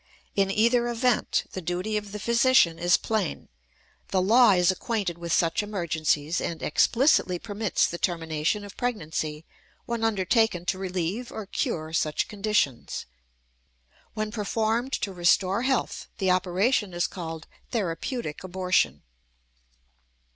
In either event the duty of the physician is plain. The law is acquainted with such emergencies, and explicitly permits the termination of pregnancy when undertaken to relieve or cure such conditions. When performed to restore health the operation is called therapeutic abortion.